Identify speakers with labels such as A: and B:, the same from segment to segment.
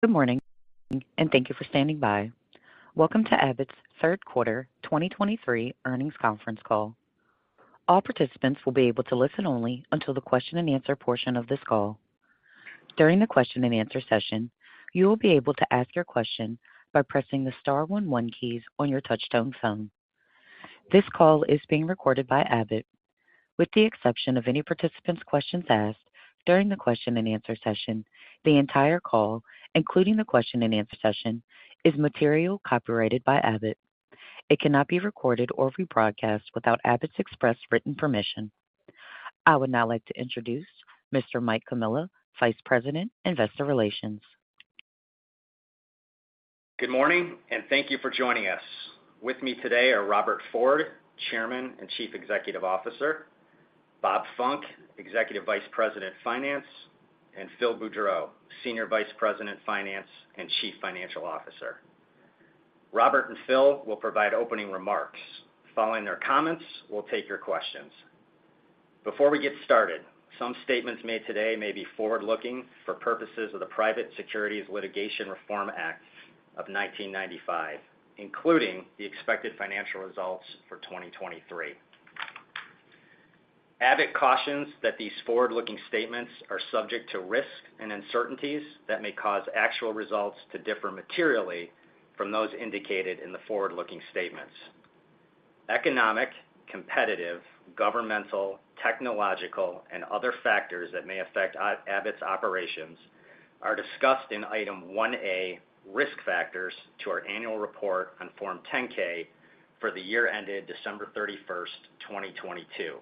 A: Good morning, and thank you for standing by. Welcome to Abbott's third quarter 2023 earnings conference call. All participants will be able to listen only until the question and answer portion of this call. During the question and answer session, you will be able to ask your question by pressing the star 1,1 keys on your touchtone phone. This call is being recorded by Abbott. With the exception of any participant's questions asked during the question and answer session, the entire call, including the question and answer session, is material copyrighted by Abbott. It cannot be recorded or rebroadcast without Abbott's express written permission. I would now like to introduce Mr. Mike Comilla, Vice President, Investor Relations.
B: Good morning, and thank you for joining us. With me today are Robert Ford, Chairman and Chief Executive Officer, Bob Funck, Executive Vice President, Finance, and Phil Boudreau, Senior Vice President, Finance, and Chief Financial Officer. Robert and Phil will provide opening remarks. Following their comments, we'll take your questions. Before we get started, some statements made today may be forward-looking for purposes of the Private Securities Litigation Reform Act of 1995, including the expected financial results for 2023. Abbott cautions that these forward-looking statements are subject to risks and uncertainties that may cause actual results to differ materially from those indicated in the forward-looking statements. Economic, competitive, governmental, technological, and other factors that may affect Abbott's operations are discussed in Item 1A, Risk Factors, to our annual report on Form 10-K for the year ended December 31, 2022.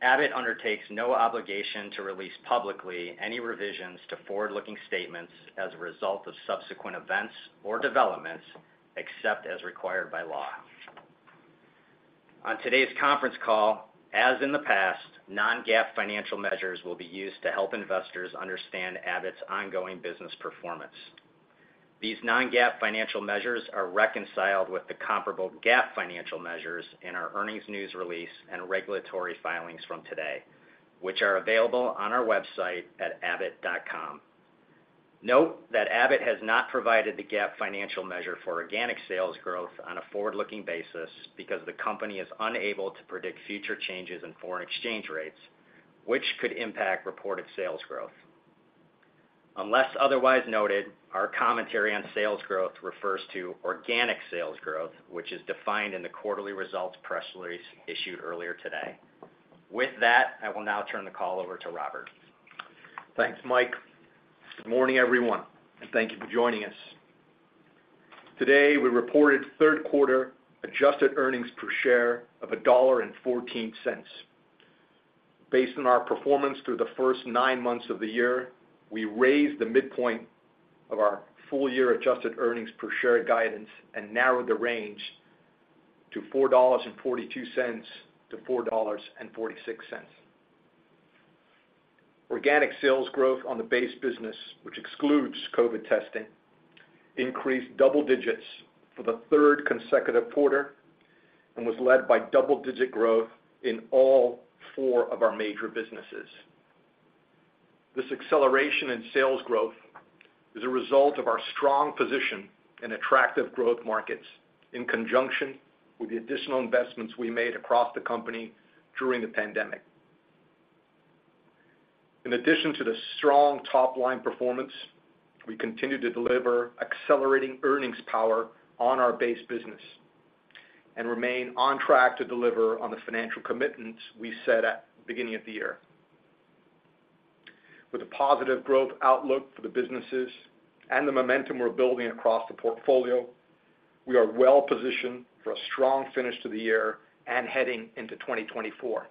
B: Abbott undertakes no obligation to release publicly any revisions to forward-looking statements as a result of subsequent events or developments, except as required by law. On today's conference call, as in the past, non-GAAP financial measures will be used to help investors understand Abbott's ongoing business performance. These non-GAAP financial measures are reconciled with the comparable GAAP financial measures in our earnings news release and regulatory filings from today, which are available on our website at abbott.com. Note that Abbott has not provided the GAAP financial measure for organic sales growth on a forward-looking basis because the company is unable to predict future changes in foreign exchange rates, which could impact reported sales growth. Unless otherwise noted, our commentary on sales growth refers to organic sales growth, which is defined in the quarterly results press release issued earlier today. With that, I will now turn the call over to Robert.
C: Thanks, Mike. Good morning, everyone, and thank you for joining us. Today, we reported third quarter adjusted earnings per share of $1.14. Based on our performance through the first nine months of the year, we raised the midpoint of our full-year adjusted earnings per share guidance and narrowed the range to $4.42-$4.46. Organic sales growth on the base business, which excludes COVID testing, increased double digits for the third consecutive quarter and was led by double-digit growth in all four of our major businesses. This acceleration in sales growth is a result of our strong position in attractive growth markets in conjunction with the additional investments we made across the company during the pandemic. In addition to the strong top-line performance, we continue to deliver accelerating earnings power on our base business and remain on track to deliver on the financial commitments we set at the beginning of the year. With a positive growth outlook for the businesses and the momentum we're building across the portfolio, we are well positioned for a strong finish to the year and heading into 2024.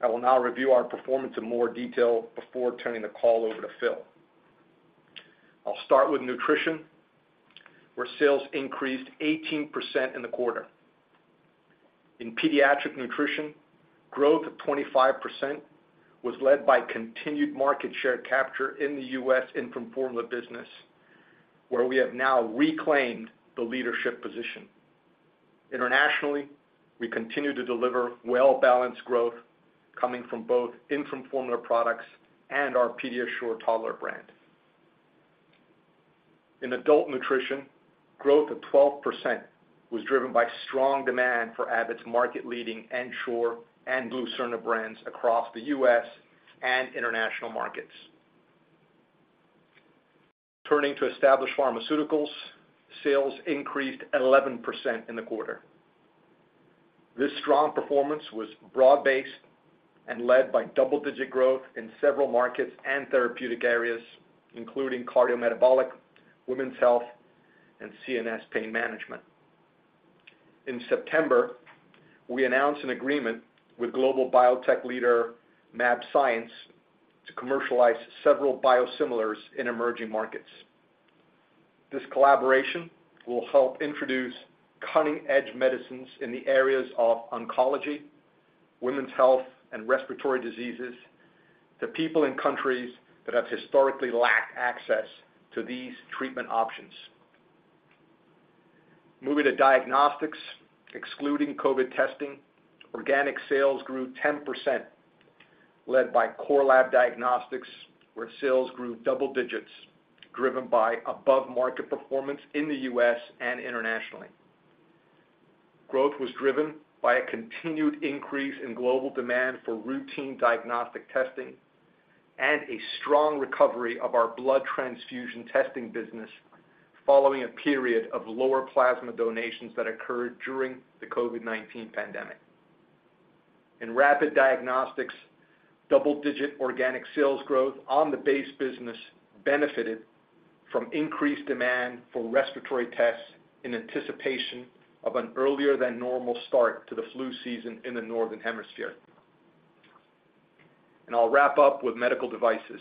C: I will now review our performance in more detail before turning the call over to Phil. I'll start with nutrition, where sales increased 18% in the quarter. In pediatric nutrition, growth of 25% was led by continued market share capture in the U.S. infant formula business, where we have now reclaimed the leadership position. Internationally, we continue to deliver well-balanced growth coming from both infant formula products and our PediaSure toddler brand. In adult nutrition, growth of 12% was driven by strong demand for Abbott's market-leading Ensure and Glucerna brands across the U.S. and international markets. Turning to established pharmaceuticals, sales increased 11% in the quarter. This strong performance was broad-based and led by double-digit growth in several markets and therapeutic areas, including cardiometabolic, women's health, and CNS pain management. In September, we announced an agreement with global biotech leader mAbxience to commercialize several biosimilars in emerging markets. This collaboration will help introduce cutting-edge medicines in the areas of oncology, women's health, and respiratory diseases to people in countries that have historically lacked access to these treatment options.... Moving to diagnostics, excluding COVID testing, organic sales grew 10%, led by Core Lab Diagnostics, where sales grew double digits, driven by above-market performance in the U.S. and internationally. Growth was driven by a continued increase in global demand for routine diagnostic testing and a strong recovery of our blood transfusion testing business, following a period of lower plasma donations that occurred during the COVID-19 pandemic. In rapid diagnostics, double-digit organic sales growth on the base business benefited from increased demand for respiratory tests in anticipation of an earlier than normal start to the flu season in the Northern Hemisphere. I'll wrap up with medical devices,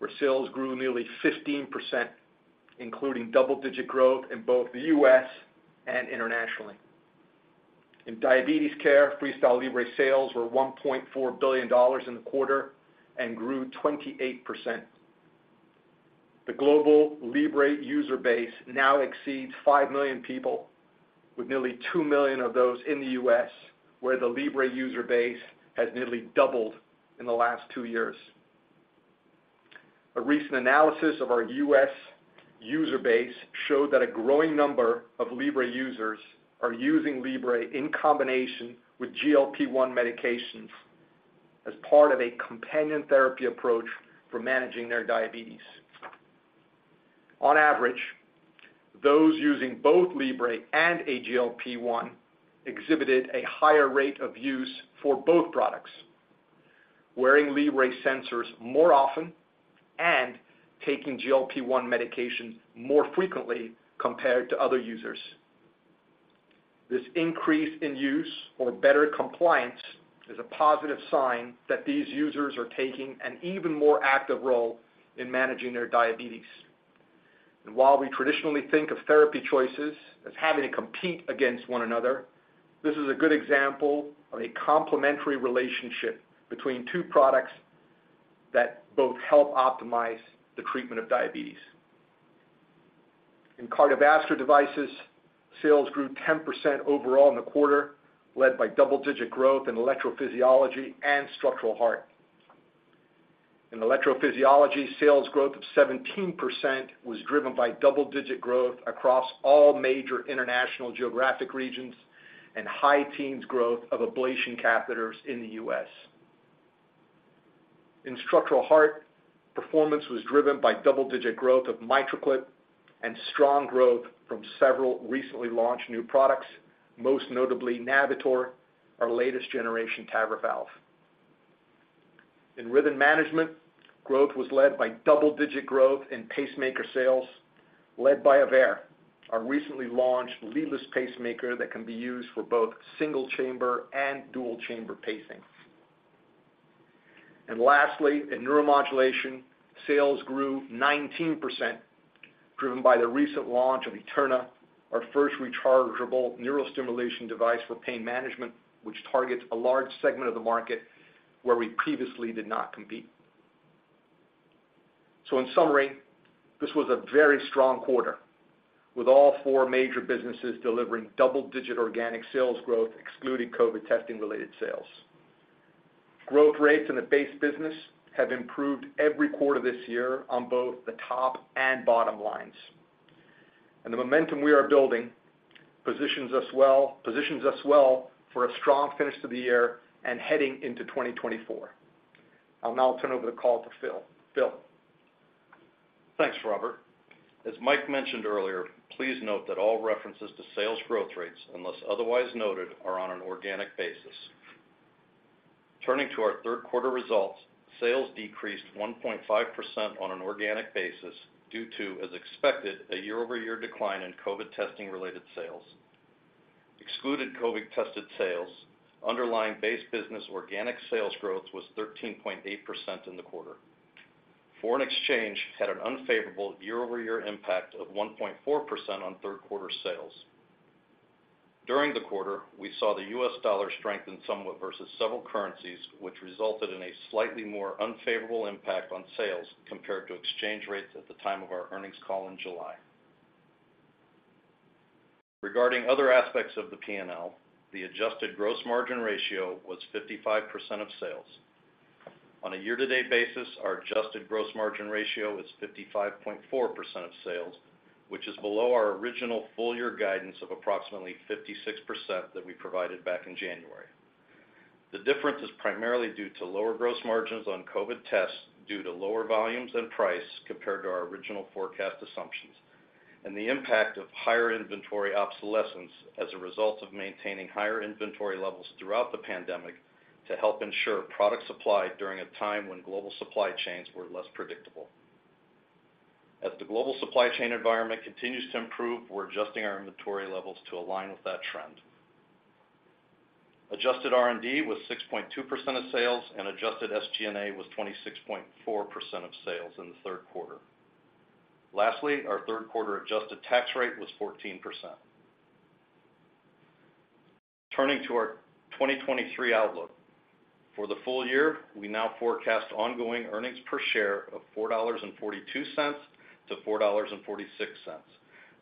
C: where sales grew nearly 15%, including double-digit growth in both the U.S. and internationally. In diabetes care, FreeStyle Libre sales were $1.4 billion in the quarter and grew 28%. The global Libre user base now exceeds 5 million people, with nearly 2 million of those in the U.S., where the Libre user base has nearly doubled in the last two years. A recent analysis of our U.S. user base showed that a growing number of Libre users are using Libre in combination with GLP-1 medications as part of a companion therapy approach for managing their diabetes. On average, those using both Libre and a GLP-1 exhibited a higher rate of use for both products, wearing Libre sensors more often and taking GLP-1 medication more frequently compared to other users. This increase in use or better compliance is a positive sign that these users are taking an even more active role in managing their diabetes. While we traditionally think of therapy choices as having to compete against one another, this is a good example of a complementary relationship between two products that both help optimize the treatment of diabetes. In cardiovascular devices, sales grew 10% overall in the quarter, led by double-digit growth in electrophysiology and structural heart. In electrophysiology, sales growth of 17% was driven by double-digit growth across all major international geographic regions and high teens growth of ablation catheters in the U.S. In structural heart, performance was driven by double-digit growth of MitraClip and strong growth from several recently launched new products, most notably Navitor, our latest generation TAVR valve. In rhythm management, growth was led by double-digit growth in pacemaker sales, led by AVEIR, our recently launched leadless pacemaker that can be used for both single chamber and dual chamber pacing. And lastly, in neuromodulation, sales grew 19%, driven by the recent launch of Eterna, our first rechargeable neural stimulation device for pain management, which targets a large segment of the market where we previously did not compete. So in summary, this was a very strong quarter, with all four major businesses delivering double-digit organic sales growth, excluding COVID testing-related sales. Growth rates in the base business have improved every quarter this year on both the top and bottom lines. The momentum we are building positions us well, positions us well for a strong finish to the year and heading into 2024. I'll now turn over the call to Phil. Phil?
D: Thanks, Robert. As Mike mentioned earlier, please note that all references to sales growth rates, unless otherwise noted, are on an organic basis. Turning to our third quarter results, sales decreased 1.5% on an organic basis due to, as expected, a year-over-year decline in COVID testing-related sales. Excluding COVID testing sales, underlying base business organic sales growth was 13.8% in the quarter. Foreign exchange had an unfavorable year-over-year impact of 1.4% on third quarter sales. During the quarter, we saw the US dollar strengthen somewhat versus several currencies, which resulted in a slightly more unfavorable impact on sales compared to exchange rates at the time of our earnings call in July. Regarding other aspects of the P&L, the adjusted gross margin ratio was 55% of sales. On a year-to-date basis, our adjusted gross margin ratio is 55.4% of sales, which is below our original full year guidance of approximately 56% that we provided back in January. The difference is primarily due to lower gross margins on COVID tests due to lower volumes and price compared to our original forecast assumptions, and the impact of higher inventory obsolescence as a result of maintaining higher inventory levels throughout the pandemic to help ensure product supply during a time when global supply chains were less predictable. As the global supply chain environment continues to improve, we're adjusting our inventory levels to align with that trend. Adjusted R&D was 6.2% of sales, and adjusted SG&A was 26.4% of sales in the third quarter. Lastly, our third quarter adjusted tax rate was 14%.... Turning to our 2023 outlook. For the full year, we now forecast ongoing earnings per share of $4.42-$4.46,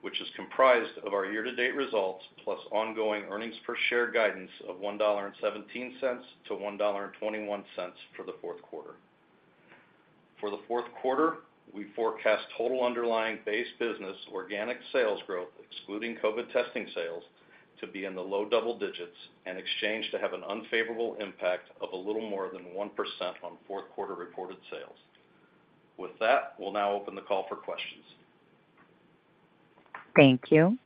D: which is comprised of our year-to-date results, plus ongoing earnings per share guidance of $1.17-$1.21 for the fourth quarter. For the fourth quarter, we forecast total underlying base business organic sales growth, excluding COVID testing sales, to be in the low double digits and exchange to have an unfavorable impact of a little more than 1% on fourth quarter reported sales. With that, we'll now open the call for questions.
A: Thank you.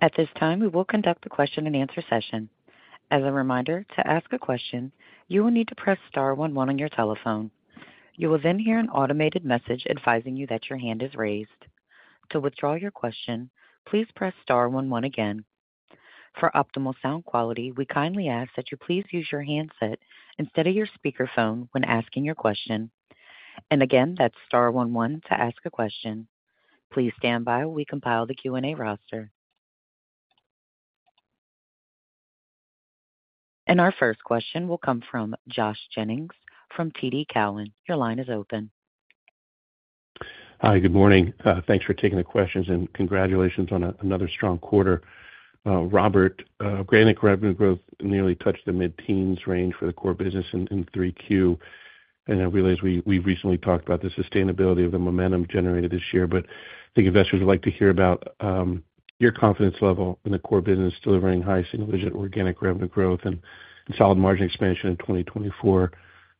A: At this time, we will conduct a question-and-answer session. As a reminder, to ask a question, you will need to press star 11 on your telephone. You will then hear an automated message advising you that your hand is raised. To withdraw your question, please press star 11 again. For optimal sound quality, we kindly ask that you please use your handset instead of your speakerphone when asking your question. And again, that's star 11 to ask a question. Please stand by. We compile the Q&A roster. And our first question will come from Josh Jennings from TD Cowen. Your line is open.
E: Hi, good morning. Thanks for taking the questions, and congratulations on another strong quarter. Robert, granted, revenue growth nearly touched the mid-teens range for the core business in Q3, and I realize we've recently talked about the sustainability of the momentum generated this year, but I think investors would like to hear about your confidence level in the core business delivering high single-digit organic revenue growth and solid margin expansion in 2024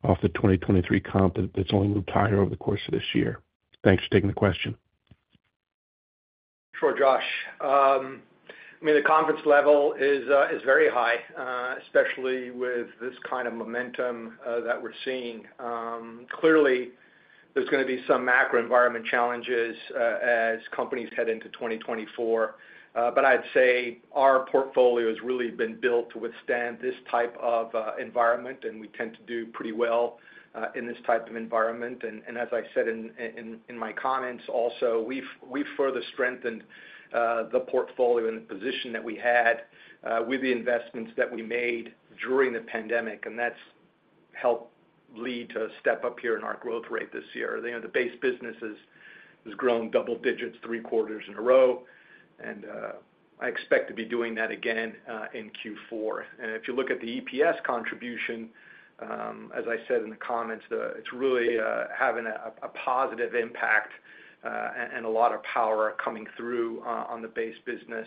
E: off the 2023 comp that's only moved higher over the course of this year. Thanks for taking the question.
C: Sure, Josh. I mean, the confidence level is very high, especially with this kind of momentum that we're seeing. Clearly, there's gonna be some macro environment challenges as companies head into 2024. But I'd say our portfolio has really been built to withstand this type of environment, and we tend to do pretty well in this type of environment. And as I said in my comments also, we've further strengthened the portfolio and the position that we had with the investments that we made during the pandemic, and that's helped lead to a step up here in our growth rate this year. You know, the base business has grown double digits three quarters in a row, and I expect to be doing that again in Q4. If you look at the EPS contribution, as I said in the comments, it's really having a positive impact, and a lot of power coming through on the base business,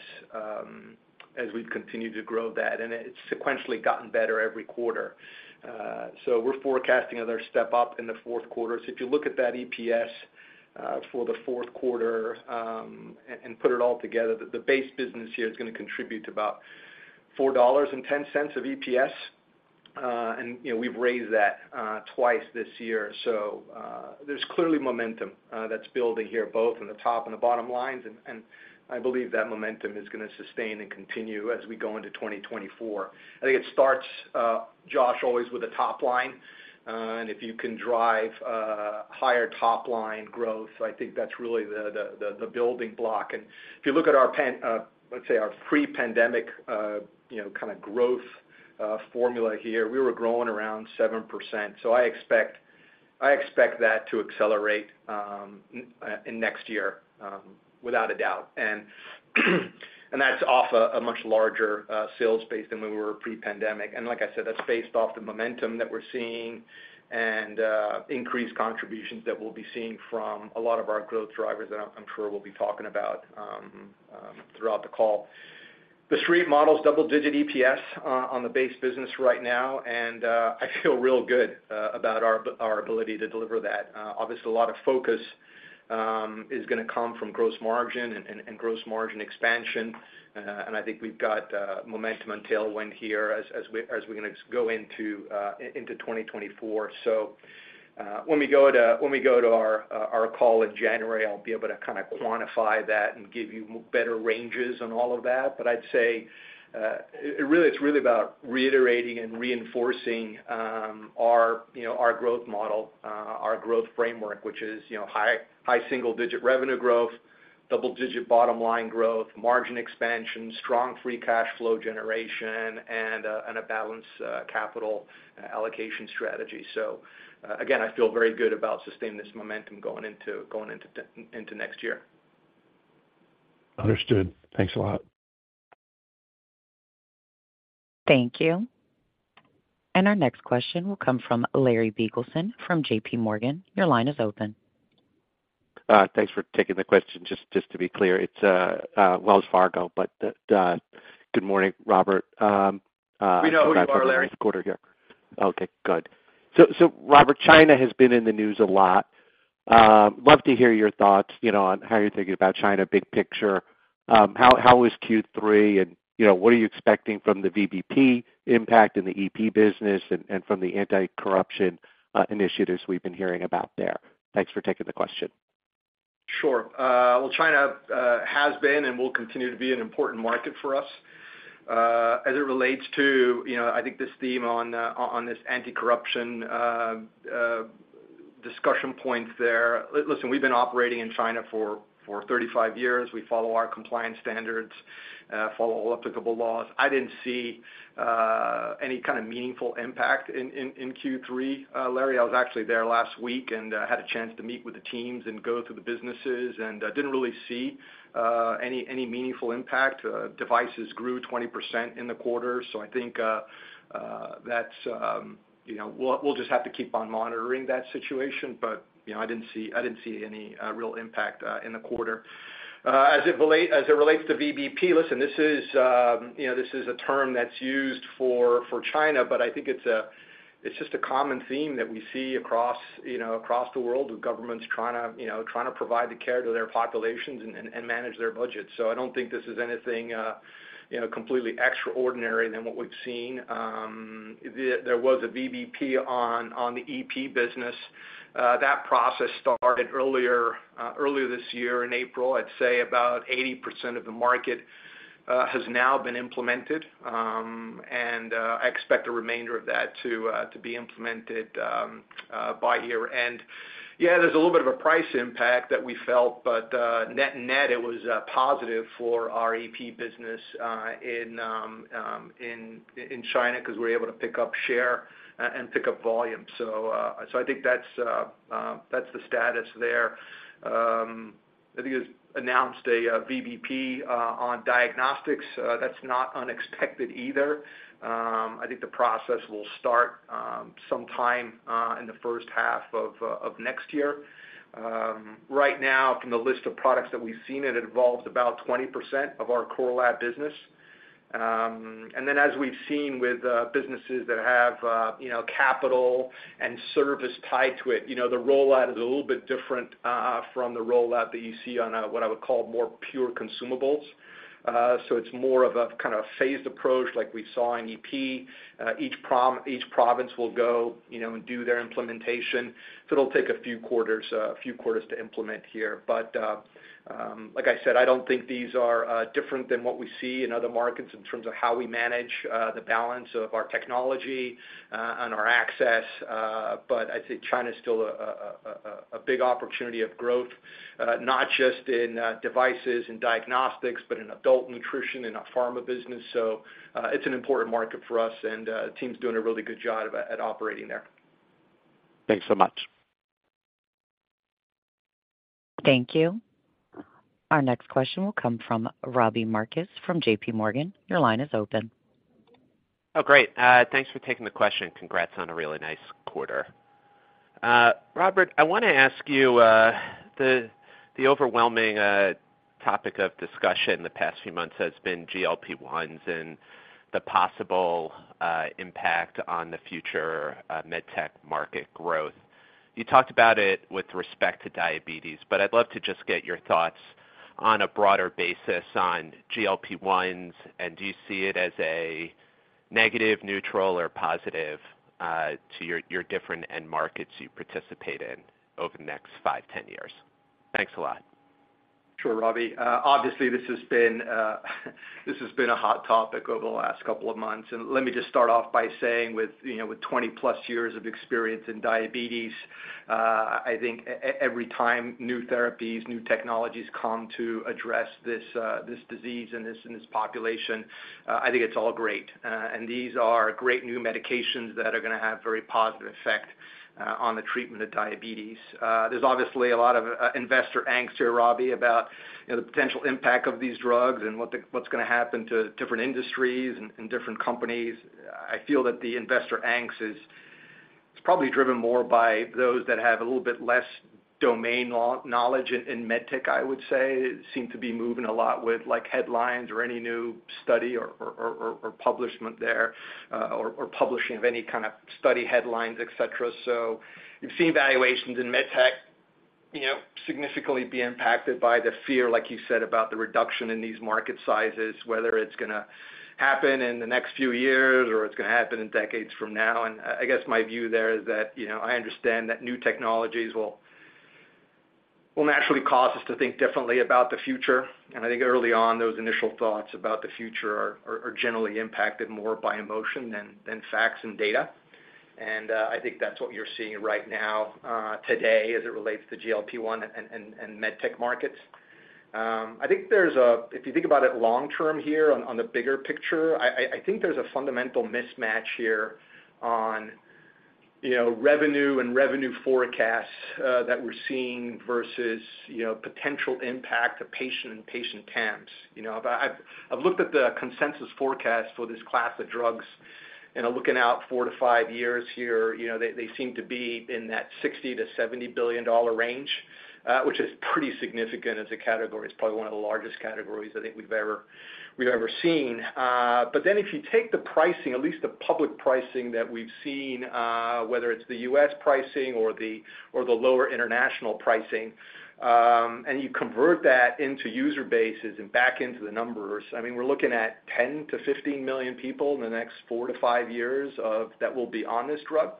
C: as we've continued to grow that, and it's sequentially gotten better every quarter. So we're forecasting another step up in the fourth quarter. So if you look at that EPS for the fourth quarter, and put it all together, the base business here is gonna contribute about $4.10 of EPS. And, you know, we've raised that twice this year. So there's clearly momentum that's building here, both in the top and the bottom lines, and I believe that momentum is gonna sustain and continue as we go into 2024. I think it starts, Josh, always with the top line, and if you can drive higher top line growth, I think that's really the building block. And if you look at our pre-pandemic, you know, kind of growth formula here, we were growing around 7%. So I expect that to accelerate in next year without a doubt. And that's off a much larger sales base than we were pre-pandemic. And like I said, that's based off the momentum that we're seeing and increased contributions that we'll be seeing from a lot of our growth drivers that I'm sure we'll be talking about throughout the call. The Street models double-digit EPS on the base business right now, and I feel real good about our ability to deliver that. Obviously, a lot of focus is gonna come from gross margin and gross margin expansion. I think we've got momentum and tailwind here as we're gonna go into 2024. When we go to our call in January, I'll be able to kind of quantify that and give you better ranges on all of that. But I'd say, it really—it's really about reiterating and reinforcing, you know, our growth model, our growth framework, which is, you know, high single-digit revenue growth, double-digit bottom line growth, margin expansion, strong free cash flow generation, and a balanced capital allocation strategy. So, again, I feel very good about sustaining this momentum going into next year.
E: Understood. Thanks a lot.
A: Thank you. Our next question will come from Larry Biegelsen from JP Morgan. Your line is open.
F: Thanks for taking the question. Just to be clear, it's Wells Fargo, but good morning, Robert.
C: We know who you are, Larry.
F: -quarter here. Okay, good. So, Robert, China has been in the news a lot. Love to hear your thoughts, you know, on how you're thinking about China, big picture. How was Q3, and, you know, what are you expecting from the VBP impact in the EP business and from the anti-corruption initiatives we've been hearing about there? Thanks for taking the question.
C: Sure. Well, China has been and will continue to be an important market for us. As it relates to, you know, I think this theme on this anti-corruption discussion points there. Listen, we've been operating in China for 35 years. We follow our compliance standards, follow all applicable laws. I didn't see any kind of meaningful impact in Q3, Larry. I was actually there last week, and I had a chance to meet with the teams and go through the businesses, and didn't really see any meaningful impact. Devices grew 20% in the quarter, so I think that's, you know, we'll just have to keep on monitoring that situation. But, you know, I didn't see any real impact in the quarter. As it relates to VBP, listen, this is, you know, this is a term that's used for China, but I think it's just a common theme that we see across, you know, across the world, with governments trying to provide the care to their populations and manage their budgets. So I don't think this is anything, you know, completely extraordinary than what we've seen. There was a VBP on the EP business. That process started earlier this year, in April. I'd say about 80% of the market has now been implemented. And I expect the remainder of that to be implemented by year-end. Yeah, there's a little bit of a price impact that we felt, but, net-net, it was positive for our EP business in China, because we were able to pick up share and pick up volume. So, I think that's the status there. I think it's announced a VBP on diagnostics. That's not unexpected either. I think the process will start sometime in the first half of next year. Right now, from the list of products that we've seen, it involves about 20% of our core lab business. And then, as we've seen with businesses that have, you know, capital and service tied to it, you know, the rollout is a little bit different from the rollout that you see on what I would call more pure consumables. So it's more of a kind of phased approach, like we saw in EP. Each province will go, you know, and do their implementation. So it'll take a few quarters, a few quarters to implement here. But, like I said, I don't think these are different than what we see in other markets in terms of how we manage the balance of our technology and our access. But I think China is still a big opportunity of growth, not just in devices and diagnostics, but in adult nutrition and our pharma business. So, it's an important market for us, and the team's doing a really good job at operating there.
F: Thanks so much.
A: Thank you. Our next question will come from Robbie Marcus from JP Morgan. Your line is open.
G: Oh, great. Thanks for taking the question, and congrats on a really nice quarter. Robert, I want to ask you, the overwhelming topic of discussion the past few months has been GLP-1s and the possible impact on the future med tech market growth. You talked about it with respect to diabetes, but I'd love to just get your thoughts on a broader basis on GLP-1s. And do you see it as a negative, neutral, or positive to your different end markets you participate in over the next 5, 10 years? Thanks a lot.
C: Sure, Robbie. Obviously, this has been a hot topic over the last couple of months. And let me just start off by saying with, you know, with 20-plus years of experience in diabetes, I think every time new therapies, new technologies come to address this, this disease and this population, I think it's all great. And these are great new medications that are going to have very positive effect on the treatment of diabetes. There's obviously a lot of investor angst here, Robbie, about, you know, the potential impact of these drugs and what's going to happen to different industries and different companies. I feel that the investor angst is, it's probably driven more by those that have a little bit less domain knowledge in med tech, I would say. It seems to be moving a lot with, like, headlines or any new study or publication there, or publishing of any kind of study headlines, et cetera. So you've seen valuations in med tech, you know, significantly be impacted by the fear, like you said, about the reduction in these market sizes, whether it's going to happen in the next few years or it's going to happen in decades from now. And I guess my view there is that, you know, I understand that new technologies will naturally cause us to think differently about the future. And I think early on, those initial thoughts about the future are generally impacted more by emotion than facts and data. And I think that's what you're seeing right now, today, as it relates to GLP-1 and med tech markets. I think there's a... If you think about it long term here on the bigger picture, I think there's a fundamental mismatch here on, you know, revenue and revenue forecasts that we're seeing versus, you know, potential impact to patient and patient TAMs. You know, I've looked at the consensus forecast for this class of drugs, and looking out four to five years here, you know, they seem to be in that $60 billion-$70 billion range, which is pretty significant as a category. It's probably one of the largest categories I think we've ever seen. But then if you take the pricing, at least the public pricing that we've seen, whether it's the US pricing or the lower international pricing, and you convert that into user bases and back into the numbers, I mean, we're looking at 10-15 million people in the next 4-5 years of that will be on this drug.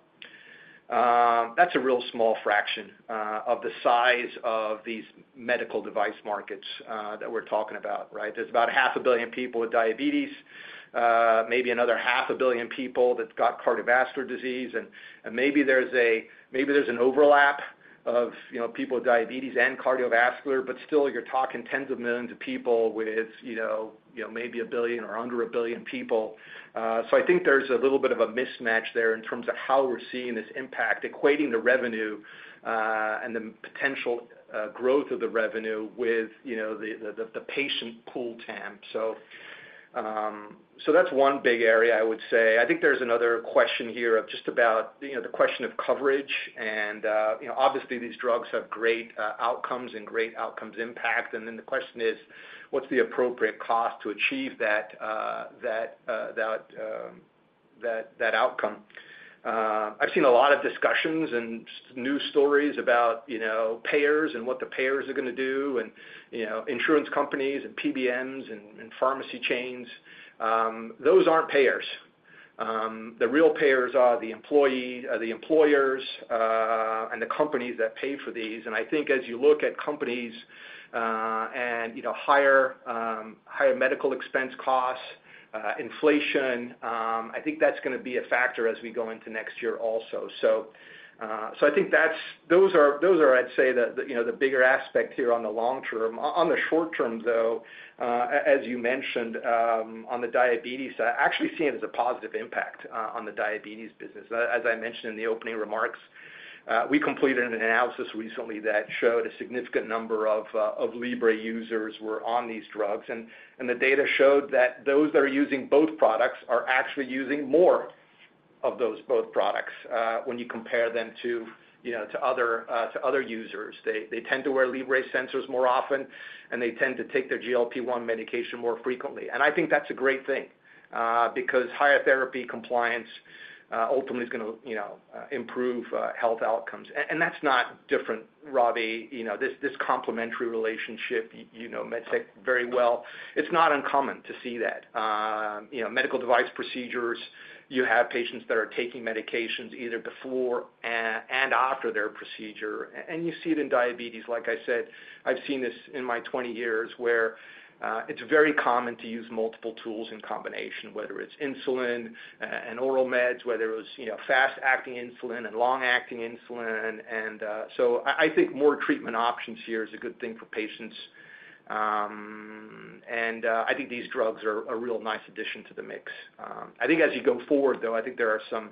C: That's a real small fraction of the size of these medical device markets that we're talking about, right? There's about 500 million people with diabetes, maybe another 500 million people that's got cardiovascular disease, and maybe there's a, maybe there's an overlap of, you know, people with diabetes and cardiovascular, but still you're talking tens of millions of people with, you know, maybe a billion or under a billion people. So I think there's a little bit of a mismatch there in terms of how we're seeing this impact, equating the revenue, and the potential, growth of the revenue with, you know, the patient pool TAM. So, so that's one big area, I would say. I think there's another question here of just about, you know, the question of coverage. And, you know, obviously, these drugs have great outcomes and great outcomes impact. And then the question is, what's the appropriate cost to achieve that, that outcome? I've seen a lot of discussions and news stories about, you know, payers and what the payers are going to do, and, you know, insurance companies and PBMs and pharmacy chains. Those aren't payers. The real payers are the employee—the employers and the companies that pay for these. And I think as you look at companies and, you know, higher, higher medical expense costs, inflation, I think that's going to be a factor as we go into next year also. So, so I think that's—those are, those are, I'd say, the, you know, the bigger aspect here on the long term. On the short term, though, as you mentioned, on the diabetes, I actually see it as a positive impact on the diabetes business. As I mentioned in the opening remarks, we completed an analysis recently that showed a significant number of of Libre users were on these drugs, and the data showed that those that are using both products are actually using more of those both products, when you compare them to, you know, to other to other users. They tend to wear Libre sensors more often, and they tend to take their GLP-1 medication more frequently. And I think that's a great thing, because higher therapy compliance ultimately is going to, you know, improve health outcomes. And that's not different, Robbie. You know, this complementary relationship, you know med tech very well. It's not uncommon to see that. You know, medical device procedures, you have patients that are taking medications either before and after their procedure, and you see it in diabetes. Like I said, I've seen this in my 20 years, where it's very common to use multiple tools in combination, whether it's insulin and oral meds, whether it's, you know, fast-acting insulin and long-acting insulin. And so I think more treatment options here is a good thing for patients. And I think these drugs are a real nice addition to the mix. I think as you go forward, though, I think there are some...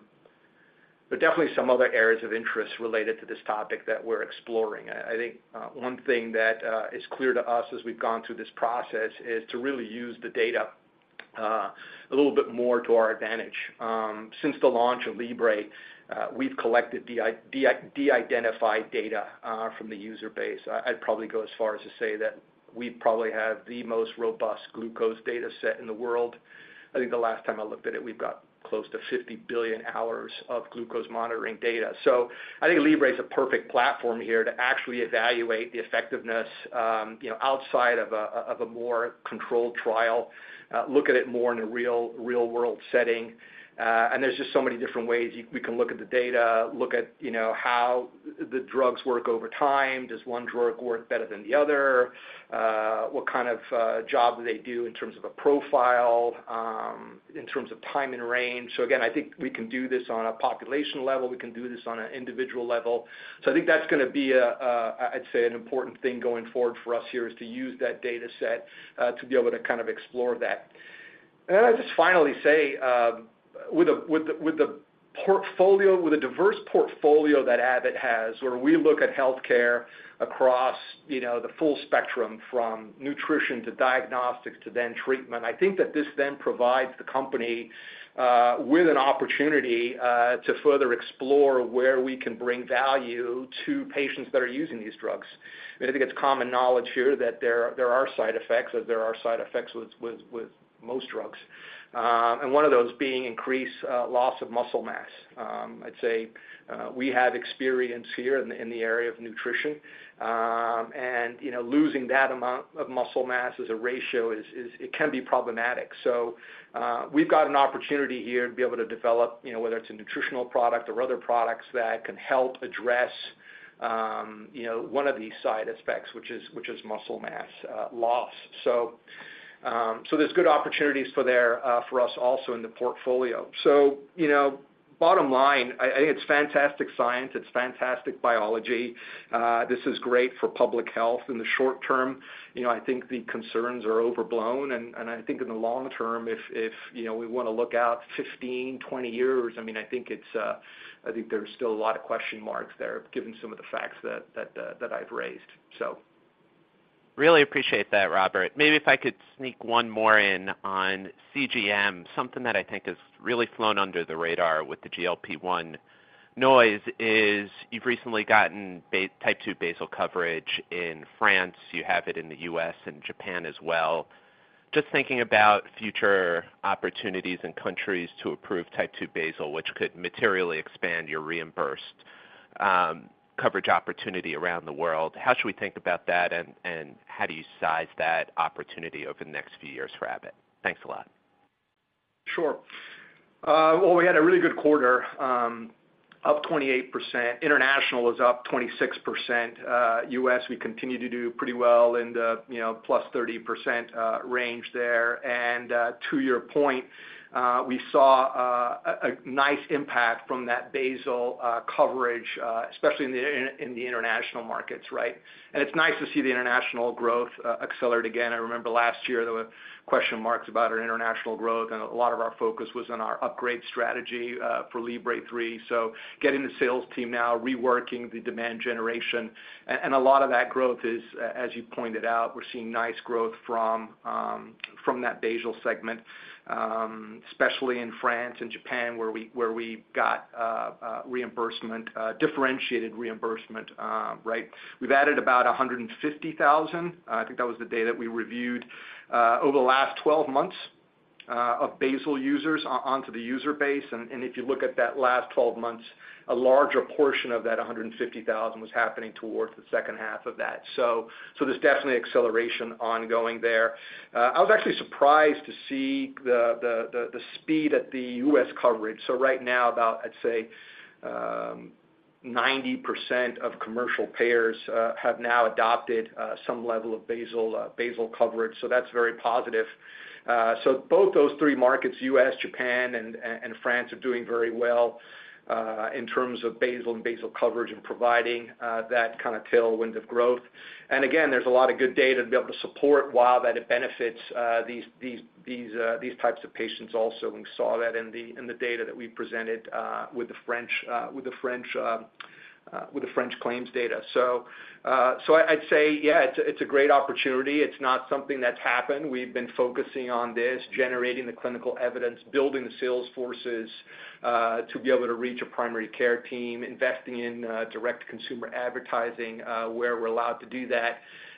C: There are definitely some other areas of interest related to this topic that we're exploring. I think one thing that is clear to us as we've gone through this process is to really use the data a little bit more to our advantage. Since the launch of Libre, we've collected de-identified data from the user base. I'd probably go as far as to say that we probably have the most robust glucose data set in the world. I think the last time I looked at it, we've got close to 50 billion hours of glucose monitoring data. So I think Libre is a perfect platform here to actually evaluate the effectiveness, you know, outside of a more controlled trial, look at it more in a real-world setting. And there's just so many different ways we can look at the data, look at, you know, how the drugs work over time. Does one drug work better than the other? What kind of job do they do in terms of a profile, in terms of time and range? So again, I think we can do this on a population level. We can do this on an individual level. So I think that's going to be, I'd say, an important thing going forward for us here, is to use that data set to be able to kind of explore that. And I'll just finally say, with the portfolio, with the diverse portfolio that Abbott has, where we look at healthcare across, you know, the full spectrum, from nutrition to diagnostics to then treatment, I think that this then provides the company with an opportunity to further explore where we can bring value to patients that are using these drugs. I think it's common knowledge here that there are side effects, as there are side effects with most drugs, and one of those being increased loss of muscle mass. I'd say we have experience here in the area of nutrition. And, you know, losing that amount of muscle mass as a ratio is. It can be problematic. So, we've got an opportunity here to be able to develop, you know, whether it's a nutritional product or other products that can help address, you know, one of these side effects, which is muscle mass loss. So, there's good opportunities there for us also in the portfolio. So, you know, bottom line, I think it's fantastic science, it's fantastic biology. This is great for public health in the short term. You know, I think the concerns are overblown, and I think in the long term, you know, we want to look out 15, 20 years. I mean, I think it's, I think there's still a lot of question marks there, given some of the facts that I've raised. So...
G: Really appreciate that, Robert. Maybe if I could sneak one more in on CGM. Something that I think has really flown under the radar with the GLP-1 noise is, you've recently gotten basal type 2 basal coverage in France. You have it in the U.S. and Japan as well. Just thinking about future opportunities in countries to approve type 2 basal, which could materially expand your reimbursed coverage opportunity around the world, how should we think about that, and, and how do you size that opportunity over the next few years for Abbott? Thanks a lot....
C: Sure. Well, we had a really good quarter, up 28%. International was up 26%. US, we continue to do pretty well in the, you know, +30% range there. And, to your point, we saw a nice impact from that basal coverage, especially in the international markets, right? And it's nice to see the international growth accelerate again. I remember last year, there were question marks about our international growth, and a lot of our focus was on our upgrade strategy for Libre 3. So getting the sales team now, reworking the demand generation, and a lot of that growth is, as you pointed out, we're seeing nice growth from that basal segment, especially in France and Japan, where we got reimbursement, differentiated reimbursement, right. We've added about 150,000, I think that was the data we reviewed, over the last 12 months, of basal users onto the user base. And if you look at that last 12 months, a larger portion of that 150,000 was happening towards the second half of that. So there's definitely acceleration ongoing there. I was actually surprised to see the speed at the U.S. coverage. So right now, about, I'd say, 90% of commercial payers have now adopted some level of basal basal coverage. So that's very positive. So both those three markets, U.S., Japan, and France, are doing very well in terms of basal and basal coverage and providing that kind of tailwind of growth. And again, there's a lot of good data to be able to support while that it benefits these types of patients also, and we saw that in the data that we presented with the French claims data. So I'd say, yeah, it's a great opportunity. It's not something that's happened. We've been focusing on this, generating the clinical evidence, building the sales forces to be able to reach a primary care team, investing in direct consumer advertising where we're allowed to do that.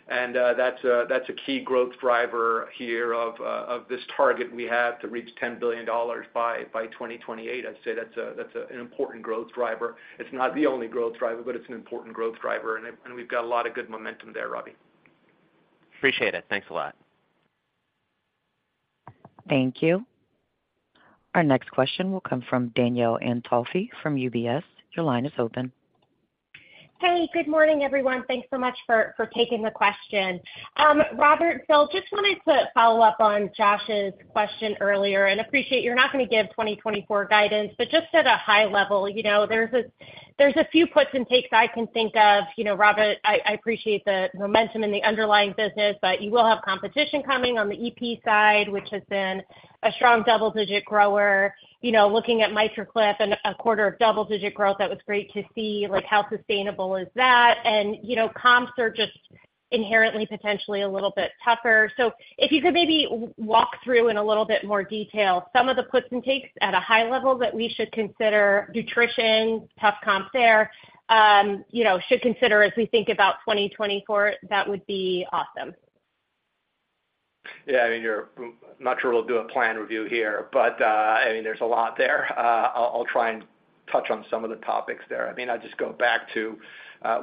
C: And that's an important growth driver here of this target we have to reach $10 billion by 2028. I'd say that's an important growth driver. It's not the only growth driver, but it's an important growth driver, and we've got a lot of good momentum there, Robbie.
G: Appreciate it. Thanks a lot.
A: Thank you. Our next question will come from Danielle Antalffy from UBS. Your line is open.
H: Hey, good morning, everyone. Thanks so much for taking the question. Robert, so just wanted to follow up on Josh's question earlier, and appreciate you're not going to give 2024 guidance, but just at a high level, you know, there's a few puts and takes I can think of. You know, Robert, I appreciate the momentum in the underlying business, but you will have competition coming on the EP side, which has been a strong double-digit grower. You know, looking at MitraClip and a quarter of double-digit growth, that was great to see. Like, how sustainable is that? And, you know, comps are just inherently, potentially a little bit tougher. So if you could maybe walk through in a little bit more detail, some of the puts and takes at a high level that we should consider, nutrition, tough comps there, you know, should consider as we think about 2024, that would be awesome.
C: Yeah, I mean, you're... I'm not sure we'll do a plan review here, but, I mean, there's a lot there. I'll, I'll try and touch on some of the topics there. I mean, I'll just go back to,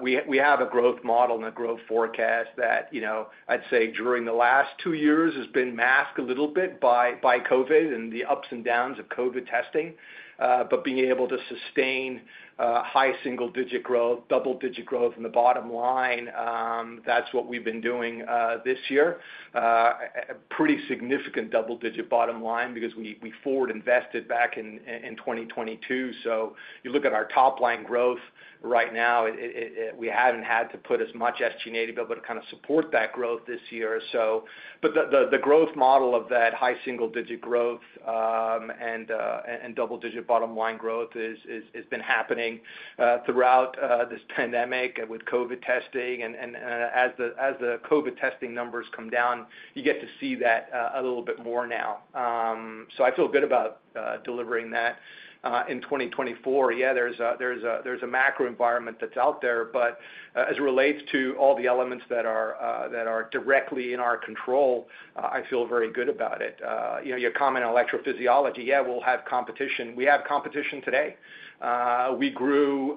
C: we, we have a growth model and a growth forecast that, you know, I'd say during the last two years has been masked a little bit by, by COVID and the ups and downs of COVID testing. But being able to sustain, high single digit growth, double digit growth in the bottom line, that's what we've been doing, this year. A pretty significant double digit bottom line because we, we forward invested back in, in 2022. So you look at our top line growth right now, we haven't had to put as much as SG&A to be able to kind of support that growth this year. But the growth model of that high single digit growth and double digit bottom line growth has been happening throughout this pandemic with COVID testing. And as the COVID testing numbers come down, you get to see that a little bit more now. So I feel good about delivering that in 2024. Yeah, there's a macro environment that's out there, but as it relates to all the elements that are directly in our control, I feel very good about it. You know, your comment on electrophysiology, yeah, we'll have competition. We have competition today. We grew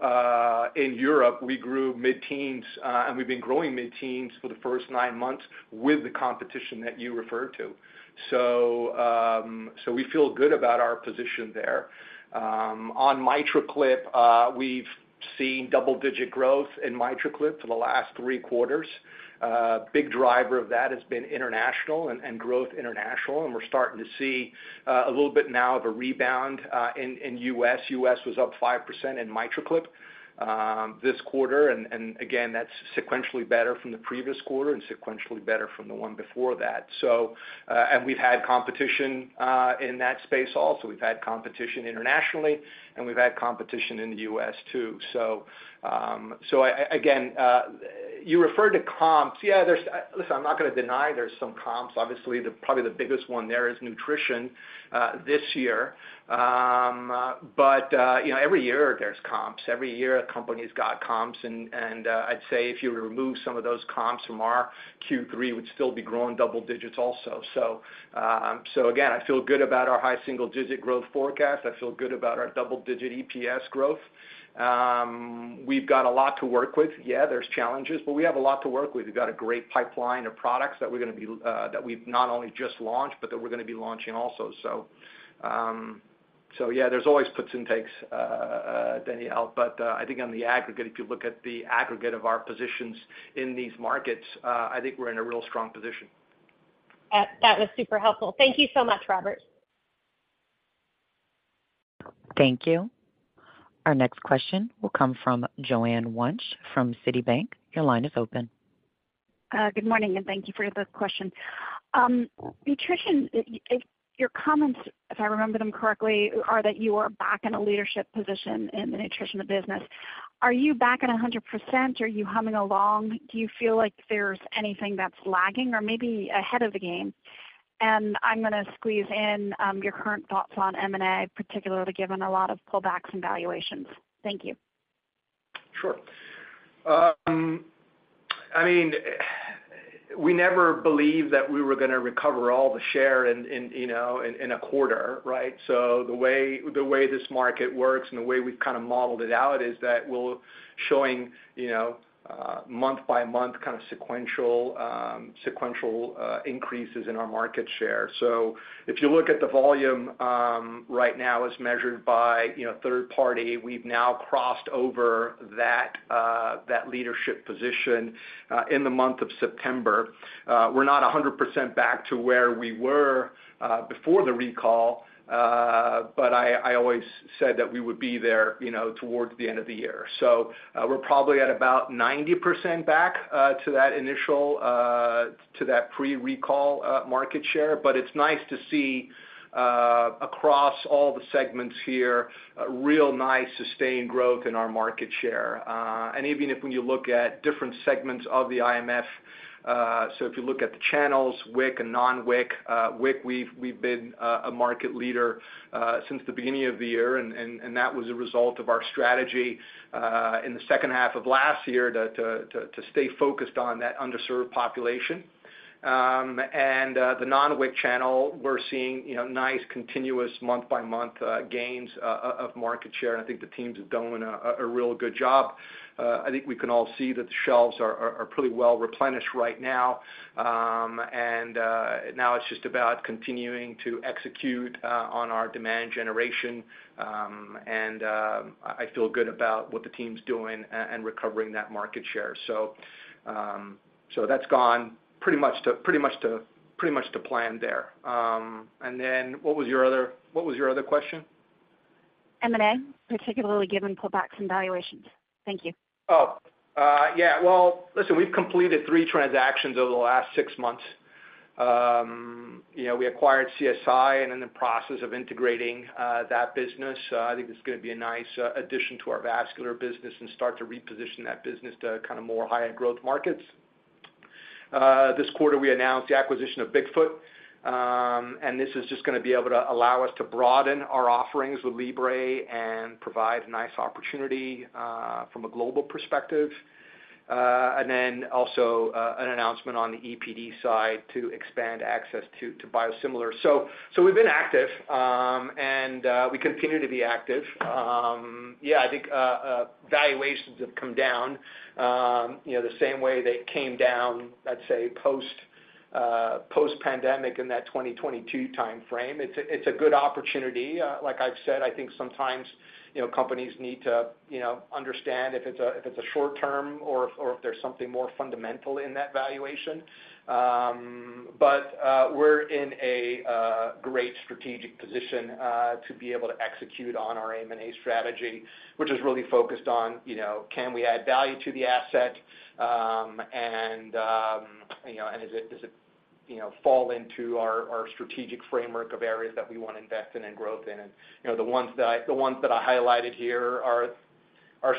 C: in Europe, we grew mid-teens, and we've been growing mid-teens for the first nine months with the competition that you referred to. So, so we feel good about our position there. On MitraClip, we've seen double-digit growth in MitraClip for the last three quarters. Big driver of that has been international and growth international, and we're starting to see a little bit now of a rebound in U.S. U.S. was up 5% in MitraClip this quarter. And again, that's sequentially better from the previous quarter and sequentially better from the one before that. So, and we've had competition in that space also. We've had competition internationally, and we've had competition in the U.S., too. So, again, you referred to comps. Yeah, there's... Listen, I'm not going to deny there's some comps. Obviously, the probably the biggest one there is nutrition, this year. But, you know, every year there's comps. Every year, a company's got comps, and, and, I'd say if you remove some of those comps from our Q3, we'd still be growing double digits also. So, again, I feel good about our high single digit growth forecast. I feel good about our double-digit EPS growth. We've got a lot to work with. Yeah, there's challenges, but we have a lot to work with. We've got a great pipeline of products that we're going to be, that we've not only just launched, but that we're going to be launching also. So,... So yeah, there's always puts and takes, Danielle, but I think on the aggregate, if you look at the aggregate of our positions in these markets, I think we're in a real strong position.
H: That was super helpful. Thank you so much, Robert.
A: Thank you. Our next question will come from Joanne Wuensch from Citibank. Your line is open.
I: Good morning, and thank you for the question. Nutrition, if your comments, if I remember them correctly, are that you are back in a leadership position in the nutrition of business. Are you back at 100%? Are you humming along? Do you feel like there's anything that's lagging or maybe ahead of the game? And I'm gonna squeeze in your current thoughts on M&A, particularly given a lot of pullbacks and valuations. Thank you.
C: Sure. I mean, we never believed that we were gonna recover all the share in a quarter, right? So the way this market works and the way we've kind of modeled it out is that we're showing, you know, month by month, kind of sequential increases in our market share. So if you look at the volume, right now as measured by, you know, third party, we've now crossed over that leadership position in the month of September. We're not 100% back to where we were before the recall, but I always said that we would be there, you know, towards the end of the year. So we're probably at about 90% back to that initial, to that pre-recall market share. But it's nice to see, across all the segments here, a real nice sustained growth in our market share. And even if when you look at different segments of the IMF, so if you look at the channels, WIC and non-WIC, WIC, we've been a market leader since the beginning of the year, and that was a result of our strategy in the second half of last year to stay focused on that underserved population. And the non-WIC channel, we're seeing, you know, nice, continuous month-by-month gains of market share, and I think the teams are doing a real good job. I think we can all see that the shelves are pretty well replenished right now, and now it's just about continuing to execute on our demand generation, and I feel good about what the team's doing and recovering that market share. So that's gone pretty much to plan there. And then what was your other question?
I: M&A, particularly given pullbacks and valuations. Thank you.
C: Oh, yeah. Well, listen, we've completed three transactions over the last six months. You know, we acquired CSI, and in the process of integrating that business, I think it's gonna be a nice addition to our vascular business and start to reposition that business to kind of more high-end growth markets. This quarter, we announced the acquisition of Bigfoot, and this is just gonna be able to allow us to broaden our offerings with Libre and provide nice opportunity from a global perspective. And then also, an announcement on the EPD side to expand access to biosimilar. So we've been active, and we continue to be active. Yeah, I think valuations have come down, you know, the same way they came down, let's say, post-pandemic in that 2022 time frame. It's a good opportunity. Like I've said, I think sometimes, you know, companies need to, you know, understand if it's a short term or if there's something more fundamental in that valuation. But we're in a great strategic position to be able to execute on our M&A strategy, which is really focused on, you know, can we add value to the asset? And you know, and is it, does it, you know, fall into our strategic framework of areas that we want to invest in and growth in? And, you know, the ones that I highlighted here are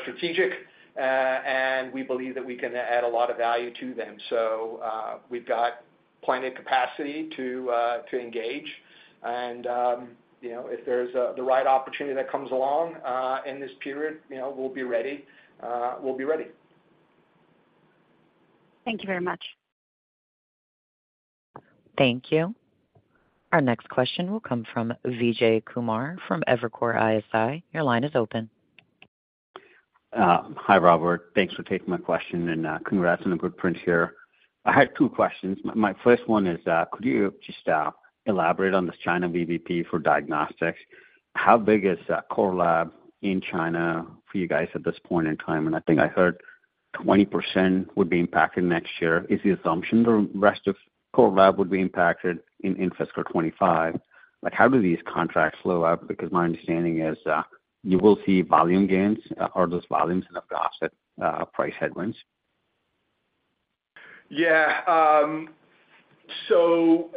C: strategic, and we believe that we can add a lot of value to them. So, we've got plenty of capacity to engage. You know, if there's the right opportunity that comes along in this period, you know, we'll be ready. We'll be ready.
H: Thank you very much.
A: Thank you. Our next question will come from Vijay Kumar from Evercore ISI. Your line is open.
J: Hi, Robert. Thanks for taking my question, and congrats on the good print here. I have two questions. My first one is, could you just elaborate on this China VBP for diagnostics? How big is that core lab in China for you guys at this point in time? And I think I heard 20% would be impacted next year. Is the assumption the rest of core lab would be impacted in fiscal 2025? Like, how do these contracts flow out? Because my understanding is, you will see volume gains. Are those volumes enough to offset price headwinds?
C: Yeah, so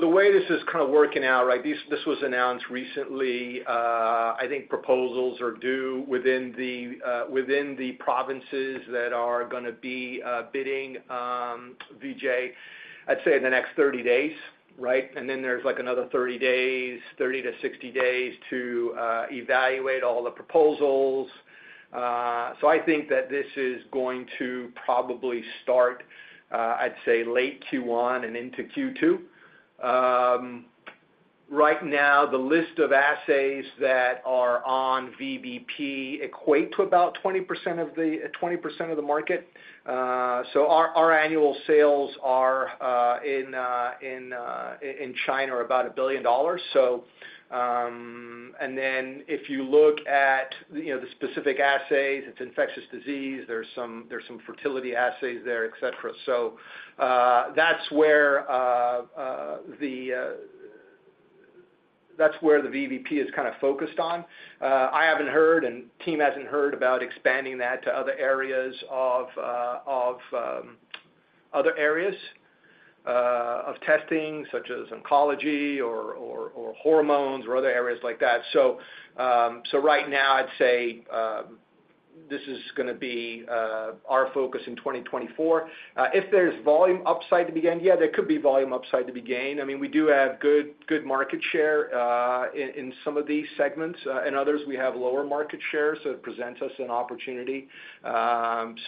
C: the way this is kind of working out, right, this, this was announced recently. I think proposals are due within the provinces that are gonna be bidding, Vijay, I'd say in the next 30 days, right? And then there's, like, another 30 days, 30-60 days to evaluate all the proposals. So I think that this is going to probably start, I'd say, late Q1 and into Q2. Right now, the list of assays that are on VBP equate to about 20% of the 20% of the market. So our annual sales in China are about $1 billion. So, and then if you look at, you know, the specific assays, it's infectious disease, there's some fertility assays there, et cetera. So, that's where the VBP is kind of focused on. I haven't heard, and team hasn't heard about expanding that to other areas of other areas of testing, such as oncology or hormones or other areas like that. So, so right now, I'd say, this is gonna be our focus in 2024. If there's volume upside to be gained, yeah, there could be volume upside to be gained. I mean, we do have good market share in some of these segments. In others, we have lower market share, so it presents us an opportunity.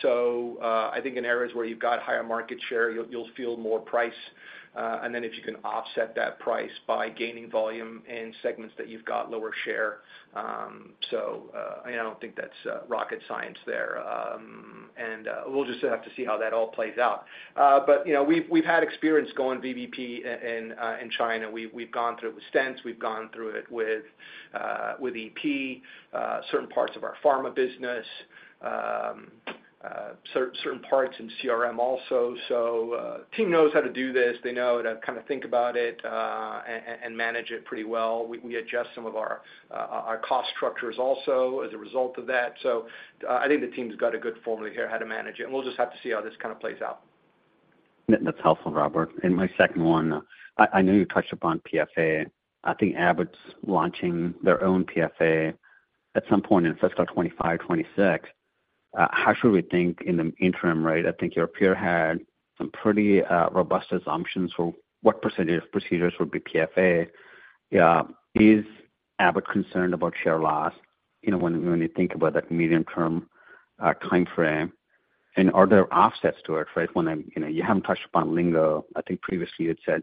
C: So, I think in areas where you've got higher market share, you'll feel more price. And then if you can offset that price by gaining volume in segments that you've got lower share. So, I don't think that's rocket science there. And we'll just have to see how that all plays out. But, you know, we've had experience going VBP in China. We've gone through it with stents, we've gone through it with EP, certain parts of our pharma business, certain parts in CRM also. So, team knows how to do this. They know to kind of think about it and manage it pretty well. We adjust some of our cost structures also as a result of that. I think the team's got a good formula here, how to manage it, and we'll just have to see how this kind of plays out.
J: That's helpful, Robert. And my second one, I know you touched upon PFA. I think Abbott's launching their own PFA at some point in fiscal 2025, 2026. How should we think in the interim, right? I think your peer had some pretty robust assumptions for what percentage of procedures would be PFA. Is Abbott concerned about share loss, you know, when you think about that medium-term time frame, and are there offsets to it, right? When you know, you haven't touched upon Lingo. I think previously you'd said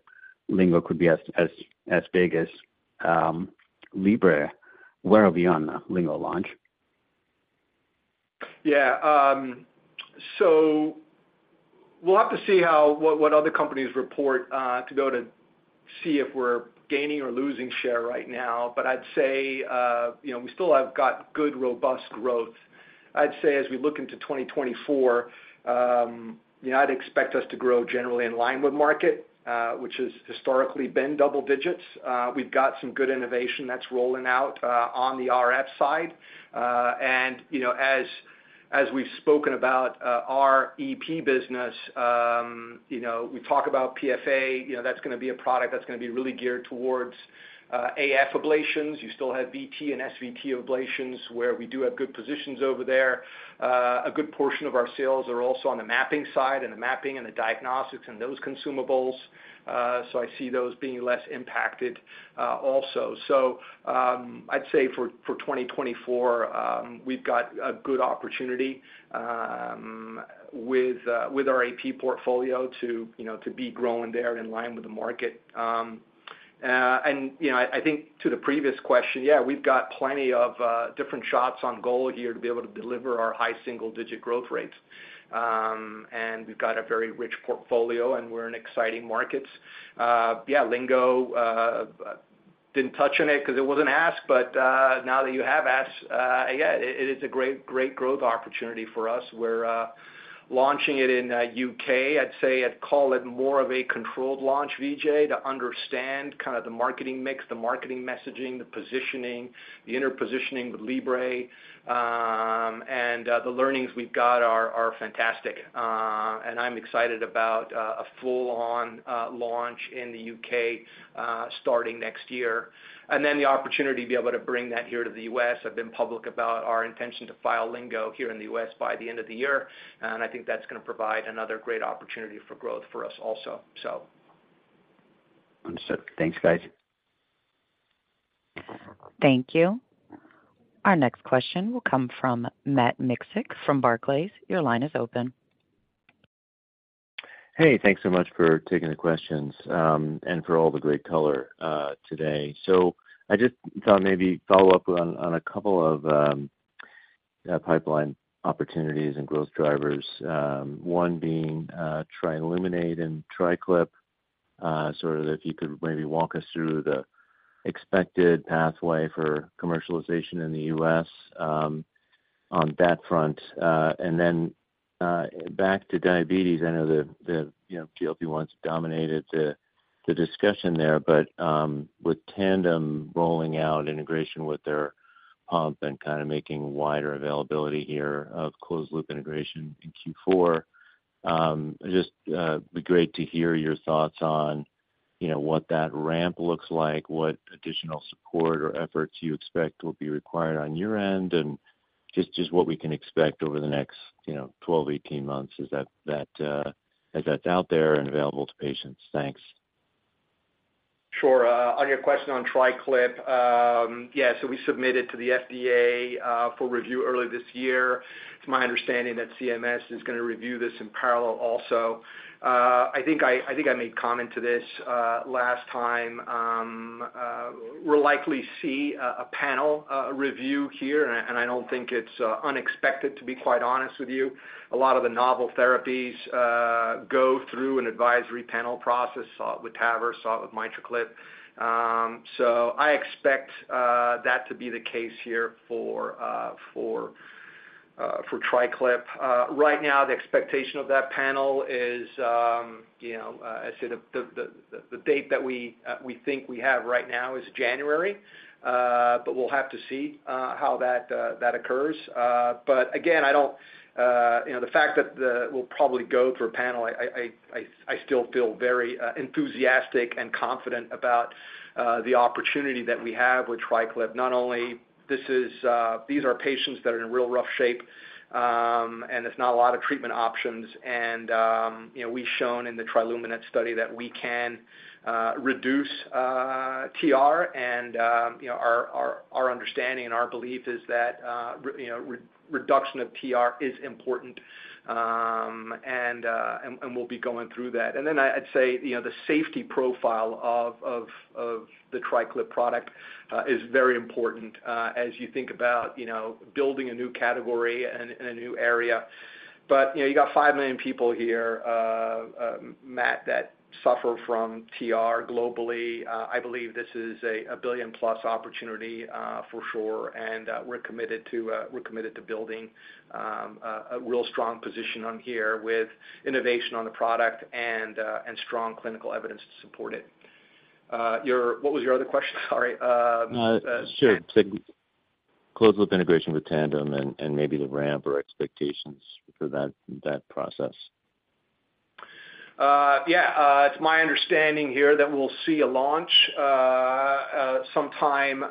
J: Lingo could be as big as Libre. Where are we on the Lingo launch?
C: Yeah, so we'll have to see how what other companies report to see if we're gaining or losing share right now. But I'd say, you know, we still have got good, robust growth. I'd say as we look into 2024, you know, I'd expect us to grow generally in line with market, which has historically been double digits. We've got some good innovation that's rolling out, on the RF side. And, you know, as we've spoken about, our EP business, you know, we talk about PFA, you know, that's gonna be a product that's gonna be really geared towards, AF ablations. You still have VT and SVT ablations, where we do have good positions over there. A good portion of our sales are also on the mapping side and the mapping and the diagnostics and those consumables, so I see those being less impacted, also. So, I'd say for 2024, we've got a good opportunity with our AP portfolio to, you know, to be growing there in line with the market. And, you know, I think to the previous question, yeah, we've got plenty of different shots on goal here to be able to deliver our high single-digit growth rates. And we've got a very rich portfolio, and we're in exciting markets. Yeah, Lingo, didn't touch on it because it wasn't asked, but now that you have asked, yeah, it is a great, great growth opportunity for us. We're launching it in U.K.. I'd say I'd call it more of a controlled launch, Vijay, to understand kind of the marketing mix, the marketing messaging, the positioning, the interpositioning with Libre. The learnings we've got are fantastic. I'm excited about a full-on launch in the U.K. starting next year. Then the opportunity to be able to bring that here to the U.S. I've been public about our intention to file Lingo here in the U.S. by the end of the year, and I think that's gonna provide another great opportunity for growth for us also, so.
J: Understood. Thanks, guys.
A: Thank you. Our next question will come from Matt Miksic from Barclays. Your line is open.
K: Hey, thanks so much for taking the questions, and for all the great color, today. So I just thought maybe follow up on a couple of pipeline opportunities and growth drivers. One being, TRILUMINATE and TriClip, sort of if you could maybe walk us through the expected pathway for commercialization in the U.S., on that front. And then, back to diabetes, I know the, you know, GLP-1s dominated the discussion there, but with Tandem rolling out integration with their pump and kind of making wider availability here of closed loop integration in Q4, it just be great to hear your thoughts on, you know, what that ramp looks like, what additional support or efforts you expect will be required on your end, and just what we can expect over the next, you know, 12, 18 months, as that's out there and available to patients. Thanks.
C: Sure. On your question on TriClip, yeah, so we submitted to the FDA for review earlier this year. It's my understanding that CMS is gonna review this in parallel also. I think I made comment to this last time. We'll likely see a panel review here, and I don't think it's unexpected, to be quite honest with you. A lot of the novel therapies go through an advisory panel process, saw it with TAVR, saw it with MitraClip. So I expect that to be the case here for TriClip. Right now, the expectation of that panel is, you know, I'd say the date that we think we have right now is January, but we'll have to see how that occurs. But again, I don't... You know, the fact that we'll probably go for a panel, I still feel very enthusiastic and confident about the opportunity that we have with TriClip. Not only this is, these are patients that are in real rough shape, and there's not a lot of treatment options. And, you know, we've shown in the TRILUMINATE study that we can reduce TR, and, you know, our understanding and our belief is that reduction of TR is important. We'll be going through that. And then I'd say, you know, the safety profile of the TriClip product is very important as you think about, you know, building a new category and a new area. But, you know, you got 5 million people here, Matt, that suffer from TR globally. I believe this is a $1 billion-plus opportunity for sure, and we're committed to building a real strong position on here with innovation on the product and strong clinical evidence to support it. Your-- What was your other question? Sorry,
K: Sure. The closed-loop integration with Tandem and maybe the ramp or expectations for that process.
C: Yeah. It's my understanding here that we'll see a launch sometime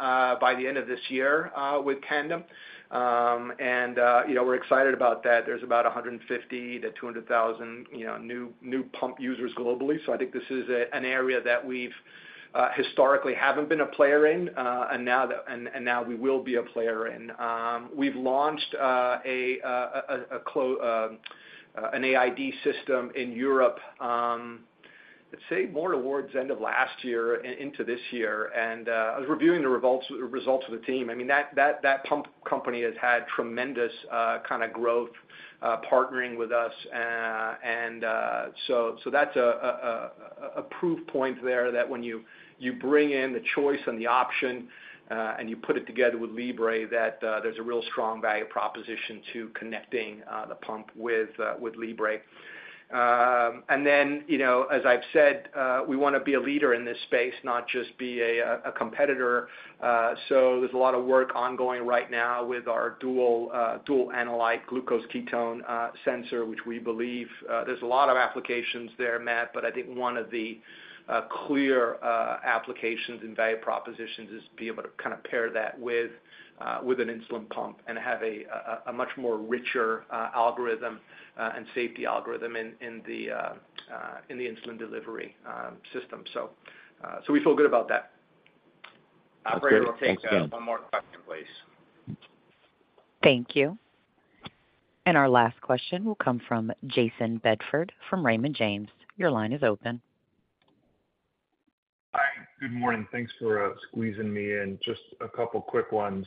C: by the end of this year with Tandem. And you know, we're excited about that. There's about 150,000-200,000, you know, new pump users globally. So I think this is an area that we've historically haven't been a player in, and now we will be a player in. We've launched an AID system in Europe. I'd say more towards end of last year into this year. And I was reviewing the results of the team. I mean, that pump company has had tremendous kind of growth partnering with us. So that's a proof point there, that when you bring in the choice and the option and you put it together with Libre, that there's a real strong value proposition to connecting the pump with Libre. And then, you know, as I've said, we want to be a leader in this space, not just be a competitor. So there's a lot of work ongoing right now with our dual analyte glucose ketone sensor, which we believe there's a lot of applications there, Matt, but I think one of the clear applications and value propositions is to be able to kind of pair that with an insulin pump and have a much more richer algorithm and safety algorithm in the insulin delivery system. So we feel good about that.
K: Okay. Thanks again.
C: Operator, we'll take one more question, please.
A: Thank you. And our last question will come from Jayson Bedford from Raymond James. Your line is open.
L: Hi. Good morning. Thanks for squeezing me in. Just a couple quick ones.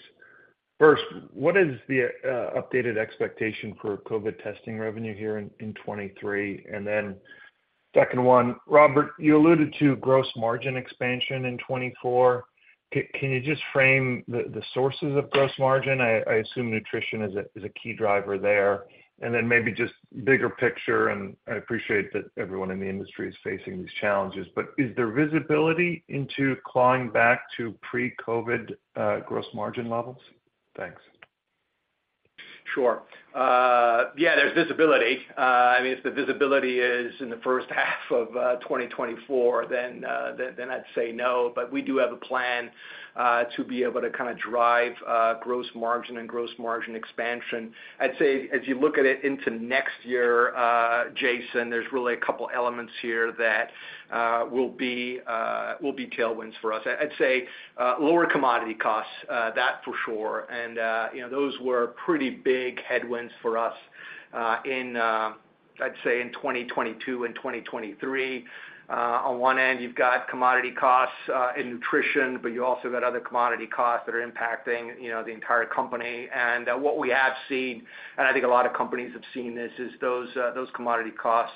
L: First, what is the updated expectation for COVID testing revenue here in 2023? And then second one, Robert, you alluded to gross margin expansion in 2024. Can you just frame the sources of gross margin? I assume nutrition is a key driver there. And then maybe just bigger picture, and I appreciate that everyone in the industry is facing these challenges, but is there visibility into clawing back to pre-COVID gross margin levels? Thanks.
C: Sure. Yeah, there's visibility. I mean, if the visibility is in the first half of 2024, then, then I'd say no. But we do have a plan to be able to kind of drive gross margin and gross margin expansion. I'd say, as you look at it into next year, Jason, there's really a couple elements here that will be will be tailwinds for us. I'd say lower commodity costs that for sure. And you know, those were pretty big headwinds for us in I'd say in 2022 and 2023. On one end, you've got commodity costs in nutrition, but you've also got other commodity costs that are impacting you know, the entire company. What we have seen, and I think a lot of companies have seen this, is those commodity costs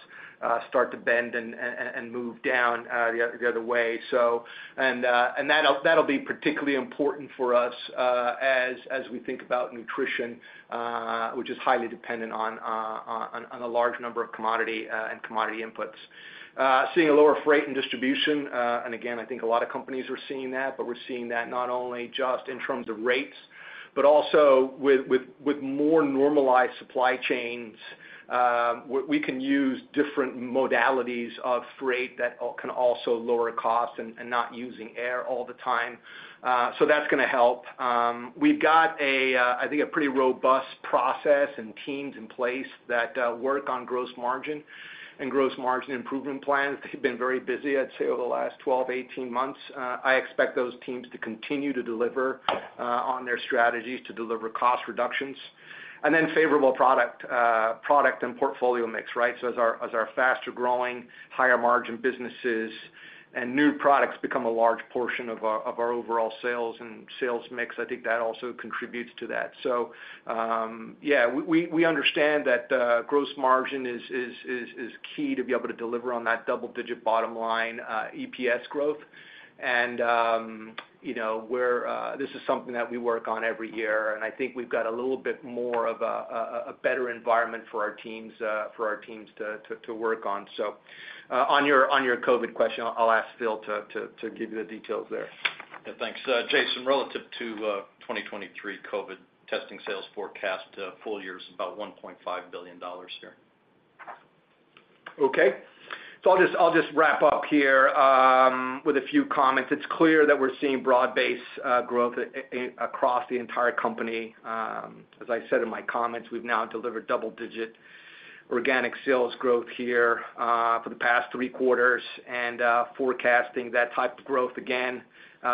C: start to bend and move down the other way. So, that'll be particularly important for us as we think about nutrition, which is highly dependent on a large number of commodity and commodity inputs. Seeing a lower freight and distribution, and again, I think a lot of companies are seeing that, but we're seeing that not only just in terms of rates, but also with more normalized supply chains, we can use different modalities of freight that can also lower costs and not using air all the time. So that's going to help. We've got, I think, a pretty robust process and teams in place that work on gross margin and gross margin improvement plans. They've been very busy, I'd say, over the last 12-18 months. I expect those teams to continue to deliver on their strategies to deliver cost reductions. And then favorable product and portfolio mix, right? So as our faster-growing, higher-margin businesses and new products become a large portion of our overall sales and sales mix, I think that also contributes to that. So, yeah, we understand that gross margin is key to be able to deliver on that double-digit bottom line EPS growth. You know, this is something that we work on every year, and I think we've got a little bit more of a better environment for our teams to work on. So, on your COVID question, I'll ask Phil to give you the details there.
B: Yeah, thanks. Jason, relative to 2023 COVID testing sales forecast, full year is about $1.5 billion here.
C: Okay. I'll just wrap up here with a few comments. It's clear that we're seeing broad-based growth across the entire company. As I said in my comments, we've now delivered double-digit organic sales growth here for the past three quarters and forecasting that type of growth again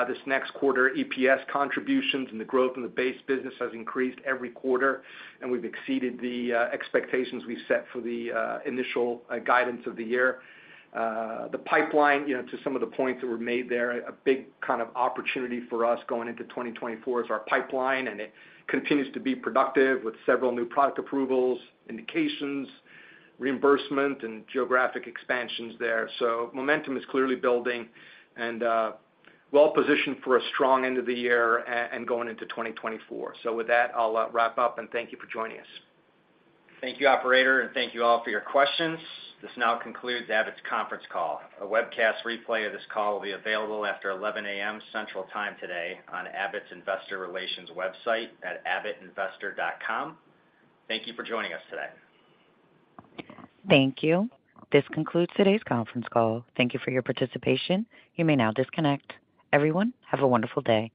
C: this next quarter. EPS contributions and the growth in the base business has increased every quarter, and we've exceeded the expectations we've set for the initial guidance of the year. The pipeline, you know, to some of the points that were made there, a big kind of opportunity for us going into 2024 is our pipeline, and it continues to be productive with several new product approvals, indications, reimbursement, and geographic expansions there. So momentum is clearly building and well positioned for a strong end of the year and going into 2024. So with that, I'll wrap up, and thank you for joining us.
B: Thank you, operator, and thank you all for your questions. This now concludes Abbott's conference call. A webcast replay of this call will be available after 11:00 A.M. Central Time today on Abbott's Investor Relations website at abbottinvestor.com. Thank you for joining us today.
A: Thank you. This concludes today's conference call. Thank you for your participation. You may now disconnect. Everyone, have a wonderful day.